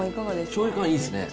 しょうゆ感、いいっすね。